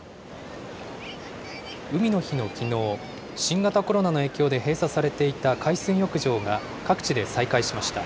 海の日のきのう、新型コロナの影響で閉鎖されていた海水浴場が各地で再開しました。